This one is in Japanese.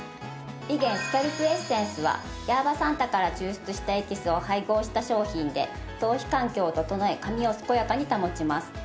ビゲンスキャルプエッセンスはヤーバサンタから抽出したエキスを配合した商品で頭皮環境を整え髪を健やかに保ちます。